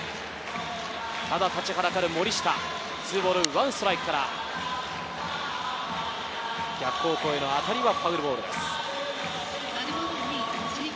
ただ立ちはだかる森下、２ボール１ストライクから逆方向への当たりはファウルボール。